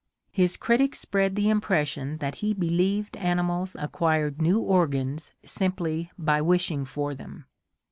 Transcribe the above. ... His critics spread the impression that he believed animals acquired new organs simply by wishing for them.